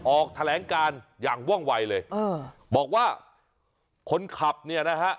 ออกแถลงการอย่างว่องวัยเลยเออบอกว่าคนขับเนี่ยนะฮะ